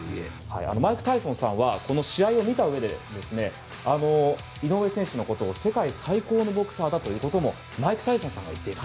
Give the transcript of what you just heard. マイク・タイソンさんはこの試合を見たうえで井上選手のことを世界最高のボクサーだということもマイク・タイソンさんが言っている。